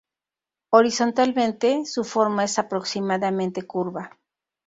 Horizontalmente, su forma es aproximadamente curva.